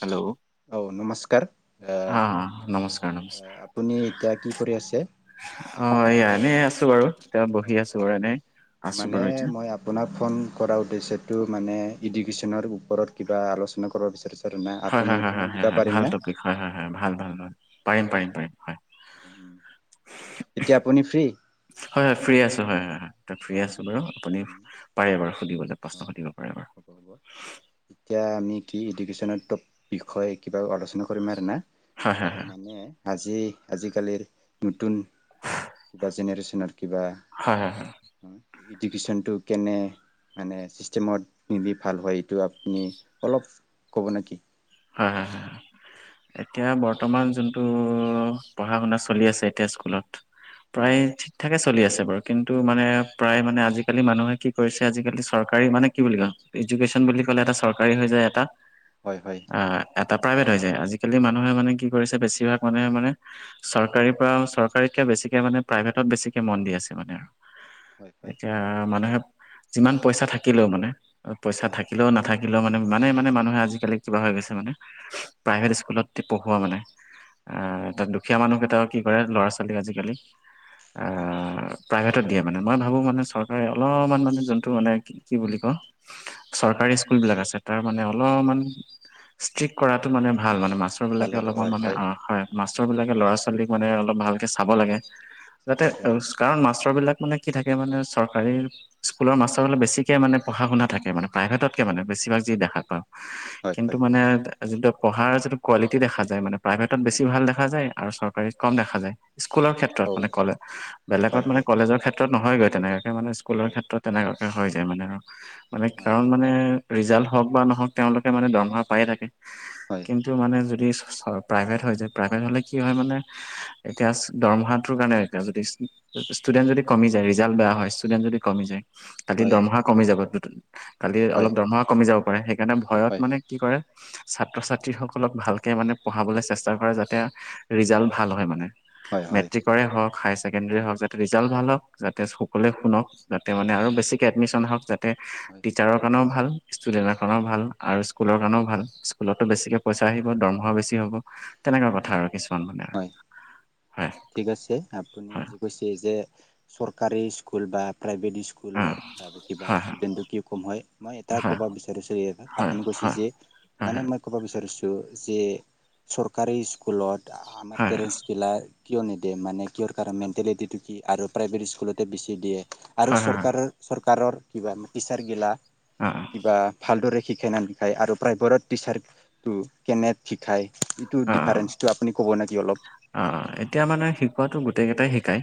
Hello. অ নমস্কাৰ আহ, অ নমস্কাৰ নমস্কাৰ আপুনি এতিয়া কি কৰি আছে? অ এইয়া এনেই আছো বাৰু, এতিয়া বহি আছো বাৰু এনেই। মানে মই আপোনাক ফোন কৰা উদেশ্যটো মানে ইডুকেচ নৰ ওপৰত কিবা আলোচনা কৰিব বিচাৰিছে হয় হয় হয় হয় হয় হয় ভাল টপিক হয় হয় হয় ভাল ভাল পাৰিম পাৰিম পাৰিম হয়। এতিয়া আপুনি ফ্ৰী হয় হয় ফ্ৰী আছো হয় হয় তই ফ্ৰী অ আছোঁ বাৰু আপুনি উম, উম, পাৰে বাৰু সুধিবলৈ অ প্ৰশ্ন সুধিব পাৰে বাৰু হ'ব এতিয়া আমি কি এডুকেনৰ বিষয়ে কিবা আলচনা স কৰিম আৰু না হয় হয় হয় মানে আজি আজিকালিৰ নতুন কিবা জেনেৰেশ্যনৰ কিবা হয় হয় হ ইডুকেশ্যনটো কেনে মানে ছিষ্টেমত দিলি ভাল হয় এইটো আপুনি অলপ ক'ব নে কি হয় হয় এতিয়া বৰ্তমান যোনটো পঢ়া শুনা চলি আছে এতিয়া স্কুলত প্ৰায় হয়, ঠিক থঠাকে আছে চলি আছে বাৰু কিন্তু মানে প্ৰায় মানে আজিকালি মানুহে কি কৰিছে আজিকালি চৰকাৰী মানে কি বুলি কয় ইডুকেশ্যন বুলি কলে এটা চৰকাৰী হৈ যায় এটা হয়, হয়, অ এটা প্ৰাইভেট হৈ যায় আজিকালি মানুহে মানে কি কৰিছে বেছিভাগ মানুহে মানে চৰকাৰী পৰা চৰকাৰীতকে বেছি ছিকে মানে প্ৰাইভেটত বেছিকে মন দি আছে মানে আৰু হয়, হয়, এতিয়া মানুহে যিমান পইচা থাকিলেও মানে পইচা হয়, থাকিলেও নাথাকিলেও মানে ইমানে মানে মানুহে আজিকালি কিবা হৈ গৈছে মানে প্ৰাইভেট স্কুলত পঢ়োৱা মানে আহ এ দুখীয়া মানুহকেইটাও কি কৰে ল'ৰা ছোৱালী আজিকালি হয়, আহ প্ৰাইভেটত দিয়ে মানে মই ভাবো মানে চৰকাৰে অলপমান মানে যোনটো মানে কি কি বুলি ক চৰকাৰী স্কুল বিলাক আছে তাৰ মানে অলপমান ষ্ট্ৰিক কৰাটো মানে ভাল মানে ম ভাল মাষ্টৰবিলাকে আৰু অলপমান হয়, মানে হয় মাষ্টৰবিলাকে হয়, ল'ৰা ছোৱালীক মানে অলপ ভালকৈ চাব লাগে চাব যাতে লাগে কাৰণ মাষ্টৰ বিলাক মানে কি থাকে মে চৰকাৰী স্কুলৰ মাষ্টৰলে বেছিক মানে পঢ়া শুনা থাকে মানে প্ৰাইভেটতকে মানে বেছি বেছিভাগ যি দেখা পাওঁ হয়, কিন্তু হয়, মানে যোনটো পঢ়াৰ যিটো কোৱালিটি দেখা যায় মানে প্ৰাইভেটত বেছি ভাল দেখা যায় আৰু চৰকাৰী কম দেখা যায় স্কুলৰ ক্ষেত্ৰত হয়, হয়, মানে কলে বেলেগত হয়, হয়, মানে কলেজৰ ক্ষেত্ৰত ক্ষেত্ৰত নহয়গৈ তেনেকুৱাকৈ মানে স্কুলৰ হয়, হয়, হয়, হয়, ক্ষেত্ৰত তেনেকুৱাকৈ হৈ যায় মানে আৰু মানে হয়, হয়, হয়, হয়, কাৰণ হয়, মানে ৰিজাল্ট হওক বা নহওক তেওঁলোকে মানে দম হ পায়েই থাকে কিন্তু মানে যদি প্ৰাইভেট হৈ যায় প্ৰাইভেট হলে কি হয় মানে এতিয়া দৰমহাটোৰ কাৰণে এতিয়া যদি ষ্টুেট যদি কমি যায় ৰিজাল্ট বেয়া হয় ষ্টুডেট যদি কমি যায় কালি হয়, দৰমহা কমি যাব কালি হয়, অলপ দৰমহা কমি যাব পাৰে সেইকাৰণে ভয়ত মানে কি ছাত্ৰ ছাত্ৰী সকলক ভালকে মানে পঢ়াবলৈ চেষ্টা কৰে যাতে ৰিজাল্ট ভাল হয় মানে মেট্ৰিকৰে হওক হায়াৰ ছেকেণ্ডাৰী হওক যাতে ৰিজাল্ট ভাল হওক যাতে সকলোৱে শুনক যাতে মানে আৰু বেছিকৈ এডমিশ্যন হওক যাতে হয়, টিচাৰৰ কাৰণেও ভাল ষ্টুডেন্ট এ ৱো ভাল আৰু স্কুলৰ কাৰণেও ভাল স্কুলতো বেছিকে পইচা আহিব দৰমহা বেছি হ'ব তেনেকুৱা কথা হয়, আৰু কিছুমান মানে আৰু হয়, হয় ঠিক আছে আপুনি হয় যে কৈছে যে চৰকাৰী স্কুল বা প্ৰাইভেট অ স্কুলৰ কিবা হয় ষ্টুডেন্টটো কি কম হয় মই এটা হয় ক'ব বিচাৰিছো এই হয় আপুনি কৈছে হয় যে হয় হয় মানে হয় মই ক'ব বিচাৰিছো যে চৰকাৰী স্কুলত আমাৰ হয় পেৰেণ্টছগিলাক কিয় নিদিয়ে মানে কিয়ৰ কাৰণে মেণ্টেলিটিটো কি আৰু প্ৰাইভেট স্কুলতে বেছি দিয়ে আৰু হয় হয় চৰকাৰৰ চৰকাৰৰ কিবা টিচাৰগিলা হয় কিবা ভালদৰে শ শ সিকাই আৰু প্ৰাইভেটত টিচাৰ কেনে শিকায় এইটো অ অ ডিফাৰেন্সটো আপুনি ক'ব নে কি অলপ অ এতিয়া মানে শিকোৱাতো গোটেই কেইটাই শিকাই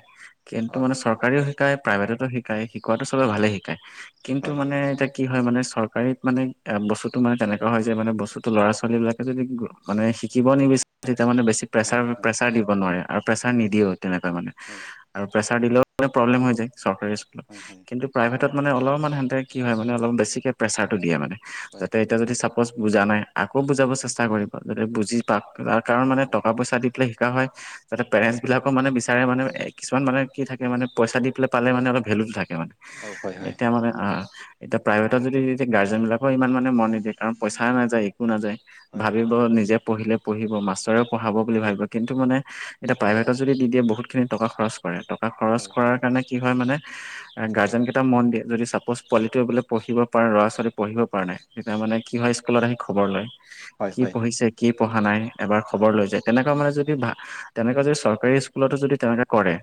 কিন্তু হয় মানে চৰকাৰীও শ শিকাই প্ৰাইভেটতো শিকায় শিকোৱাতটো চবে হয় ভালে শিকায় কিন্তু হয় মানে এতিয়া কি হয় মানে চৰকাৰীত মানে এ বস্তুতটো মানে তেনেকুৱা হয় যে মানে বস্তুতটো ল'ৰা ছোৱালী বিলাকে যদি মানে শিকিব নি বি তেয়া মানে বেছি প্ৰেছাৰ হয় হয় প্ৰেছাৰ দিব নোৱাৰে আৰু প্ৰেছাৰ হয় নিদিয়েও তেনেকুৱা মানে, হয় আৰু প্ৰেছাৰ দিলেও মানে প্ৰব্লেম হৈ যায় চৰকাৰী স্কুলত, হয় কিন্তু প্ৰাইভেট তত মানে অলপমান সিহঁতে কি হয় মানে অলপ বেছিকে প্ৰেচাৰটো দিয়ে মানে, হয় হয় যাতে এতিয়া যদি চা পচ বুজা নাই আকৌ বুজাব চেষ্টা কৰিব যদি বুজি পা তাৰকাৰণ মানে হয় টকা পইচা দি পেলাই হয় তাতে পেৰেন্টছ হয় বিলাকৰ মানে বেছি চাৰে মানে কিছুমান মানুহে কি থাকে মানে পইচা দি পেলাই পালে মানে অলপ ভেলুটো থাক কে মানে, অ হয় হয় এতিয়া মানে আহ এতিয়া প্ৰাইভেটত যদি এয়া গাৰ্জেন বিলাক ইমান মানে মন নিদিয়ে কাৰণ পইচা নাযায় একো নাযায় হয় ভাবিব নিজে পঢ়িলে পঢ়িব মাষ্টৰে পঢ়াব বুলি ভাবিব কিন্তু মানে এতিয়া প্ৰাইভেটত যদি দি দিয়ে বহুতখিনি টকা খৰচ কৰে টকা খৰচ হয় হয় কৰাৰ কাৰণে কি হয় মানে [inaudible] গাৰ্জেন কেইটা মন দিয়ে যদি চাপোজ পোৱালিটোৱে বোলে পঢ়িব পাৰে ল'ৰা ছোৱালী পঢ়িব পৰা নাই তেতিয়া মানে কি হয় স্কুলত আহি খবৰ লয়, হয় কি হয় পঢ়িছে কি পঢ়া নাই এবাৰ হয় খবৰ লৈ যায়, তেনেকুৱা মানে য হয় তেনেকোৱা যদি চৰকাৰী স্কুলতো যদি তেনেকে কৰে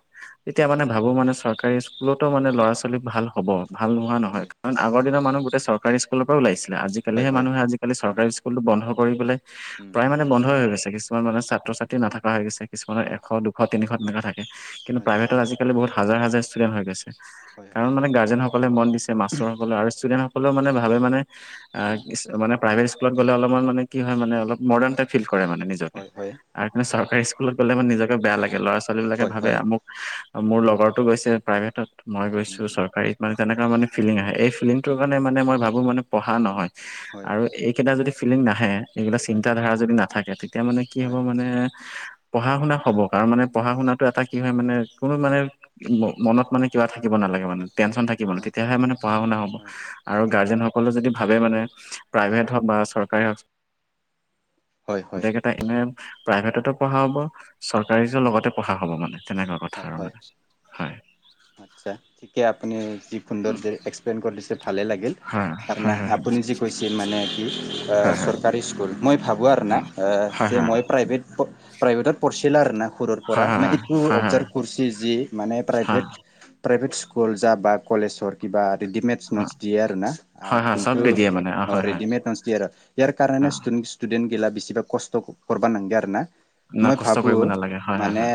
তেতিয়া হয় মানে ভাবো মানে চৰ কৰি স্কুলতো মানে লৰা ছোৱালী ভাল হব, ভাল নোহোৱা নহয় কাৰণ আগৰ হয় দিনৰ মানুহ গোটেই চৰ [unintelligible] স্কুলৰ পৰা ওলাইছিলা, হয় হয় আজিকলিহে হয় মানুহে, আজিকালি উম চৰকাৰী স্কুলটো বন্ধ কৰি পেলাই উম প্ৰায় মানে বন্ধই হৈ গৈছে, কিছুমান মানে [unintelligible] নাথাকা হৈ গৈছে, কিছুমান হয় এশ, দুশ, তিনিশ তেনেকা থাকে কিন্তু হয় প্ৰাইভেটত আজিকালি বহুত হাজাৰ হাজাৰ ষ্টুডেণ্ট হৈ গৈছে। হয় কাৰণ হয় মানে গাৰ্জেনসকলে মন দিছে মাষ্টৰসকলে আৰু ষ্টুডেণ্ট হলেও মানে ভাবে মানে, উম মানে প্ৰাইভেট স্কুলত গ'লে অলপমান মানে কি হয় মানে অলপ মডাৰ্ণ টাইপ ফিল [unintelligible] মানে নিজকে। হয় হয় আৰু কিন্তু চৰকাৰী স্কুলত গ'লে মানে নিজকে বেয়া লাগে, ল'ৰা ছোৱালী বিলাকে হয় ভাবে হয় আমোক মোৰ লগৰতো গৈছে প্ৰাইভেটত, মই গৈছো উম উম চৰকাৰীত মানে তেনেকা মানে ফিলিং আহে, এই ফিলিংটোৰ কাৰণে মানে মই ভাবো মান পঢ়া নহয় হয় আৰু এইকেইটা যদি ফিলিং নাহে, এইবিলাক হয় চিন্তাধাৰা যদি নাথাকে, তেতিয়া মানে কি হ'ব হয় মানে পঢ়া শুনা হ'ব, হয় কাৰণ মানে পঢ়া শুনাটো এটা কি হয় মানে কোনো মানে হয় মনত মানে কিবা থাকিব নালাগে মানে, টেনশ্যন থাকিব [unintelligible] হয় তেতিয়াহে মানে পঢ়া শুনা হ'ব হয় আৰু গাৰ্জেনসকলে যদি ভাবে মানে প্ৰাইভেট হওক বা চৰকাৰী হওক হয় হয় গোটেইকেইটা এনে প্ৰাইভেটতো পঢ়া হ'ব, চৰকাৰী লগতে পঢ়া হ'ব মানে। তেনেকুৱা কথা হয় আৰু হয় মানে, হয়। [unintelligible] ঠিকে আপুনি যি সুন্দৰ উম, দৰে এক্সপ্লেন কৰিছে ভালে লাগিল। হয় হয় হয় আপুনি যি কৈছে মানে কি হয় হয় চৰকাৰী স্কুল মই ভাবোঁ আৰু না, উম হয় যে হয় মই প্ৰাইভেট-প্ৰাইভেটত পঢ়ছিলোঁ আৰু না সৰুৰ হয় পৰা হয় মানে হয় এইটো হয় অবজাৰ্ভ কৰিছে যি মানে হয় প্ৰাইভেট প্ৰাইভেট স্কুল যাবা কলেজৰ কিবা ৰেডিমেড হয় নটচ দিয়ে আৰু না, হয় হয় চব কিন্তু দি দিয়ে মানে অ', হয় হয় ৰেডিমেড নটচ দিয়ে আৰু ইয়াৰ কাৰণে স্তুদ ষ্টুডেণ্ট গেলা বেছিভাগ কষ্ট কৰব [unintelligible] আৰু না। ন মই কষ্ট ভাবোঁ কৰিব নালাগে হয় হয় মানে হয়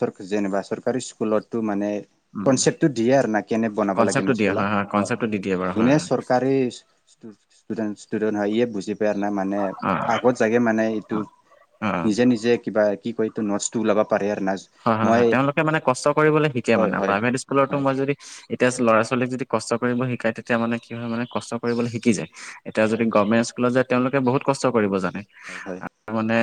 চৰ-যেনিবা চৰকাৰী স্কুলতো মানে উম কনচেপটো দিয়ে আৰু না, কেনে বনাব লাগে [unintelligible] কনচেপ্টটো দিয়ে হয়। কনচেপ্টটো দি দিয়ে বাৰু যোনে হয় চৰকাৰী [unintelligible] ষ্টুডেণ্টচ, ষ্টুডেণ্টচ হয়, হিয়ে বুজি পাই না মানে অ আগত [unintelligible] মানে এইটো অ নিজে, নিজে কিবা কি কয় এইটো [unintelligible] লগাব পাৰে য়াত হয়, হয়, হয়, তেওঁলোকে মানে কষ্ট কৰিবলৈ শিকে, হয় মানে হয় প্ৰাইভেট হয় ইস্কুলতো হয় মই যদি এতিয়া ল'ৰা ছোৱালীক যদি কষ্ট কৰিব শিকায় তেতিয়া মানে কি হয়, মানে কষ্ট কৰিবলৈ শিকি যায়। এতিয়া যদি হয় গভৰ্মেন্ট স্কুলত যায়, তেওঁলোকে বহুত কষ্ট কৰিব জানে হয় হয় হয় মানে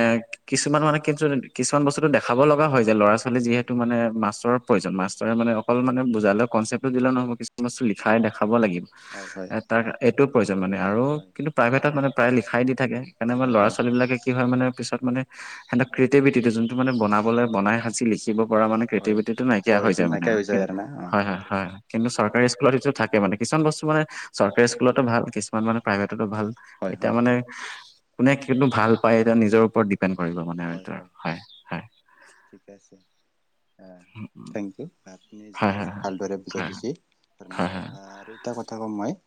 কিছুমান মানে কিচ-কিছুমান বস্তুটো দেখাব লগা হয়, যায় ল'ৰা ছোৱালী হয় যিহেতু মানে মাষ্টৰ প্ৰয়োজন মাষ্টৰে মানে অকল মান বুজালে কনচেপটো দিলে নহ'ব কিছুমান বস্তু লিখাই দেখা ব, লাগিব হয় হয় হয় এই তাৰ এইটো প্ৰয়োজন মানে, আৰু কিন্তু প্ৰাইভেটত মানে প্ৰায় লিখাই দি থাকে। সেইকাৰেই হয় ল'ৰা হয় ছোৱালীবিলাকে কি হয়, মানে পিছত মানে সেহেঁতক ক্ৰিয়েটিভিটিটো যোনটো মানে বনাবলৈ বনাই শিকিব পৰা মানে হয় ক্ৰিয়েটিভিটিটো অ নাইকিয়া হৈ এইটো যায় মানে। নাইকিয়া হৈ যায় আৰু না অ সুন্দৰ হয়-হয়-হয় কথা কিন্তু হয় চৰকাৰী স্কুলত থাকে মানে। কিছুমান বস্তু মানে চৰকাৰী স্কুলতো ভাল, কিছুমান মানে প্ৰাইভেট ত ভাল হয় এতিয়া হয় মানে কোনে কিটো ভাল পায় এতিয়া নিজৰ ওপৰত ডি পেন্ড কৰিব মানে হয়তো হয় হয়। ঠিকে আছে থেংক ইউ। আ যি হয় ভালদৰে বুজাই হয় দিছি আ হয় হয় হয় হয় আৰু এটা কথা কওঁ মই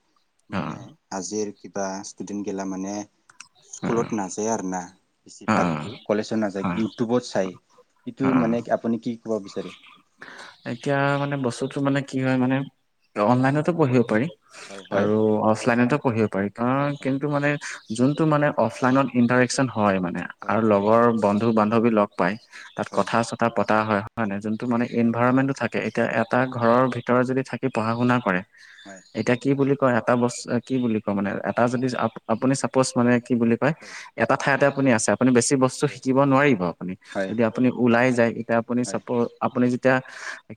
মানে আজিৰ কিবা ষ্টুডেণ্ট গেলা মানে স্কুলত নাযায় আৰ না বেছি অ অ ভাগটো অ কলেজো নাযায় অ ইউটুবত চাই, সিটো অ অ মানে আপুনি কি ক'ব বিচাৰে? এতিয়া মানে বস্তুটো মানে কি হয় মানে, অনলাইনতো পঢ়িব পাৰি। হয় হয় আৰু অফলাইনতো পঢ়িব পাৰি কাৰণ হয় কিন্তু মানে যোন টো মানে অফলাইনত ইন্টাৰেকচন হয় মানে হয় আৰু হয় লগৰ বন্ধু বান্ধৱী লগ পায়। তাত হয় কথা চথা পতা হয়। হয় নাই যোনটো মানে হয় হয় এনভাইৰনমেণ্টটো থাকে। এতিয়া এটা হয় হয় হয় ঘৰৰ ভিতৰত যদি থাকি পঢ়া শুনা কৰে, হয় এতিয়া কি বুলি এটা বস্তু কি বুলি কও মানে এটা যদি আপুনি চাপজ মানে কি বুলি কয় হয় হয় হয় এটা ঠাইতে আপুনি আছে আপুনি বেছি বস্তু শিকিব নোৱাৰিব আপুনি যদি আপুনি ওলাই যায় এতিয়া আপুনি আপুনি য এতিয়া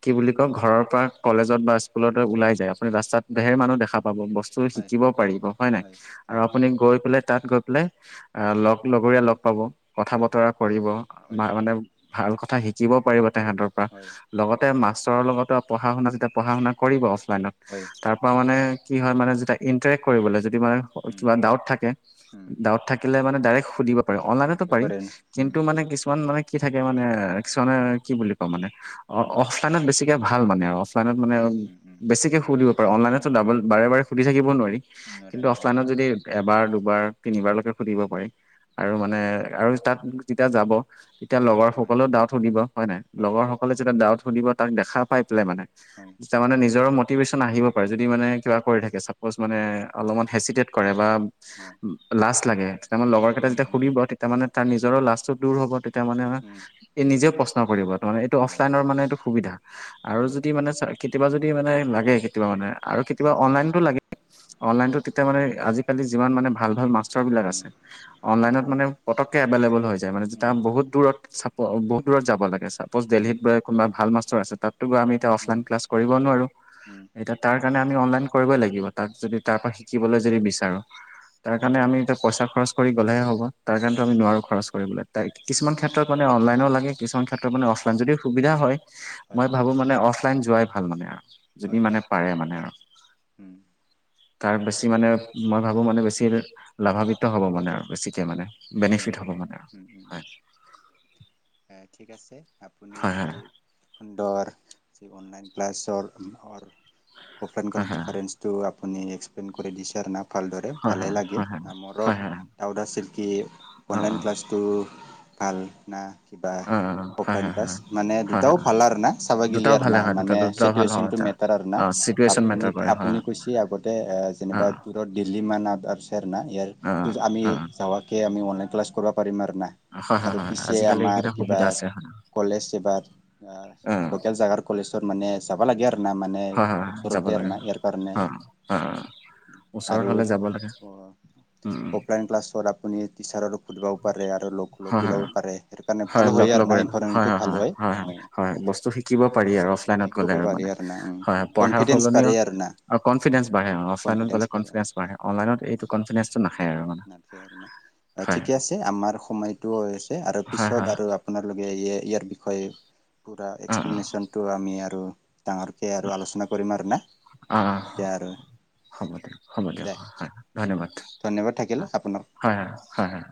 কি বুলি কয় ঘৰৰ পৰা কলেজত বা স্কুলত ওলাই যায় আপুনি ৰাস্তাত ধেৰ মানুহ দেখা পাব বস্তু শিকিব পাৰিব হয় নাই আৰু আপুনি গৈ পেলাই তাত গৈ পেলাই আহ লগ লগৰীয়া লগ পাব, কথা বতৰা কৰিব হয় মানে ভাল কথা শিকিব পাৰিব তেহাঁতৰ পৰা হয় হয় লগতে মাছ ওচৰৰ লগতো আৰু পঢ়া শুনা যেতিয়া পঢ়া শুনা কৰিব অফলাইনত হয় তাৰ পৰা মানে কি হয় মানে যেতিয়া ইন্টাৰেক্ট কৰিবলৈ যদি মানে উম কিবা ডাউট থাকে উম ডাউট থাকিলে মানে ডাইৰেক্ সুধিব পাৰে অনলাইনতো সুধিব পাৰি পাৰে ন? উম কিন্তু মানে কিছুমান মানে কি থাকে মানে কিছুমানে কি বুলি কোৱা মানে অ উম অফলাইনত বেছিকে ভাল মানে আৰু লাইনত মানে উম উম উম বেছিকে সুধিব পাৰে অনলাইনতো ডাবল বাৰে বাৰে সুধ থাকও নোৱাৰি। নৰে কিন্তু নৰে অফলাইনত উম যদি এবাৰ দুবাৰ তিনিবাৰলৈকে সুধিব পাৰি আৰু মানে আৰু তাত যেতিয়া যাব তেতিয়া লগৰ হয় সকলেও ডাউট সুধিব হয় নাই লগৰ সকলে যেতিয়া ডাউট সুধিব তাক দেখা পাই পেলাই মানে। হয় তাৰ মানে নিজৰ মটিভেশ্যন আহিব পাৰে যদি মানে কিবা কৰি হয় থাকে চাপ'জ মানে অলমান হেচিদেত কৰে বা হয় লাচ লাগে লগৰ কেই উম যেতিয়া উম সুনিব তেতিয়া মানে তাৰ নিজৰো লাজটো দূৰ হ'ব তেতিয়া মানে উম এই নিজে প্ৰশ্ন কৰিব তম উম অফলাইনৰ মানে এইটো সুবিধা আৰু উম যদি মানে কেতিয়াবা যদি মানে লাগে কেতিয়াবা মানে আৰু কেতিয়াবা উম অনলাইনতটো লাগে। অনলাইনতোত তেতিয়া মানে আজিকালি যিমান মানে ভাল ভাল মাষ্টৰ বিলাক উম আছে অনলাইনত উম মানে পটকে এভলেবল হৈছে মানে উম যেতিয়া বহুত দূৰত বহুত দূৰত যাব লাগে চাপজ উম দেলহিতৈ কোনোবা ভাল মাষ্টৰ আছে তাত আমি এতিয়া উম অফলাইন ক্লাছ কৰিব নোৱাৰো উম এতিয়া তাৰ সেইকাৰণে আমি অনলাইন কৰিবই লাগিব তাক যদি তাৰ পৰা শিকিবলৈ যদি বিচাৰোঁ। তাৰ কাৰণে আমি এতিয়া পইচা খৰচ কৰি গ'লেহে হব তাৰ কাৰণেতো আমি নোৱাৰো খৰচ কৰিবলৈ ত কিছুমান ক্ষেত্ৰত মানে অনলাইন লাগে কিছু ক্ষেত্ৰত মানে যদি সুবিধা হয় হয় মই হয় ভাবো মানে অফলাইন যোৱাই ভাল মানে। যদি হয় মানে হয় পাৰে মানে। উম তাৰ বেছি মানে মই ভাবোঁ মানে বেছি লাভান্বিত হ'ব মানে আৰু বেছিকৈ মানে। উম বেনিফিট উম হব মানে। এ' ঠিক আছে আপুনি যি হয় সুন্দ [inaudible] হয় হয় আপুনি এক্সপ্লেইন কৰি দিছাৰ না ভালদৰে হয় ভালেই লাগিল হয় হয় হয় মোৰো হয় হয় হয় হয় হয় হয় হয় ডাউট আছিল কি অনলাইন ক্লাছটো ভাল না। কিবা হয় অফলাইন হয় হয় ক্লাছ হয় মানে হয় দুটাও ভাল আৰু না চাবাগিলি দুটাও আৰু ভালে না হয় দুটা মানে দুটাও ভাল চিতিউচেন হয় টো। এটা মিটাৰৰ অ', চিটুৱেশ্যন আপুনি মেটাৰ কৰে হয় আপুনি কৈছি আগতে অ যেনিবা অ', দূৰত দিল্লী মান [inaudible] না, ইয়াৰ অ', আমি অ', যাৱাকে আমি অনলাইন ক্লাছ কৰিব পাৰিম আৰু না, হয়, হয়, আৰু হয় পিছে আজিকালি আমাৰ এইকেইটা কিবা সুবিধা আছে হয় কলেজ এবাট আ, অ', লোকেল জেগাৰ কলেজত মানে যাবা লাগি না, মানে হয়, হয়, হয় যাব ওচৰতে আৰু লাগে না ইয়াৰ কাৰণে অ', অ', ওচৰত আৰু হ'লে যাব লাগে অ', উম, উম, অফলাইন ক্লাছত আপুনি টিচাৰৰো সুধিব পাৰে আৰু লগ, লগ হয়, হয়, বিলায়ো পাৰে [unintelligible] হয়, লগ, আৰু না লগৰে হয়, ইনভাইৰনমেন্টটো হয়, ভাল হয়, হয়, অ হয়, বস্তু শিকিব পাৰি আৰু কি অফলাইনত গ'লে ক'ব আৰু পাৰি মানে না হয়, পঢ়াৰ কনফিডেন্স সলনিয়ো বাঢ়ে আৰু না অ', কনফিডেন্ঞ্চ বাঢ়ে, অফলাইনত গ'লে কনফিডেন্ঞ্চ বাঢ়ে, অনলাইনত এইটো কনফিডেন্ঞ্চটো নাহে আৰু মানে। অ', হয়, ঠিকে আছে আমাৰ সময়টোও হৈ আছে আৰু হয়, হয়, পিছত হয় আৰু আপোনালোকে ই-ইয়াৰ হয়, পুৰা অ', অ', এক্সপ্লিনেচনটো আমি আৰু ডাঙৰকে আৰু আলোচনা কৰিম আৰু না, অ', এতিয়া আৰু। হ'ব দিয়ক, হ'ব দিয়ক দে হয় ধন্যবাদ ধন্যবাদ হয় থাকিল আপোনাক। হয় হয় হয়